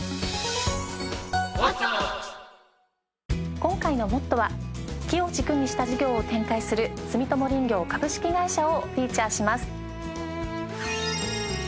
今回の『ＭＯＴＴＯ！！』は木を軸にした事業を展開する住友林業株式会社をフィーチャーします。